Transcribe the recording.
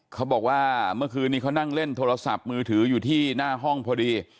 เขาบอกว่าเมื่อคืนนี้เขานั่งเล่นโทรศัพท์มือถืออยู่ที่หน้าห้องพอดี